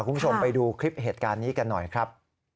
คุณผู้ชมไปดูคลิปเหตุการณ์นี้กันหน่อยครับ